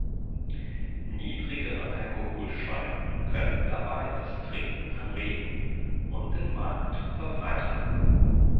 Niedrigere Alkoholsteuern können dabei das Trinken anregen und den Markt verbreitern.